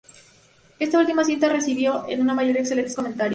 Esta última cinta recibió en su mayoría excelentes comentarios.